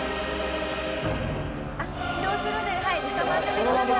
移動するのではいつかまっててください。